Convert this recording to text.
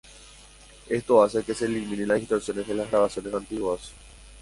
Esto hace que se eliminen las distorsiones en las grabaciones antiguas.